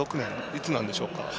いつなんでしょうか。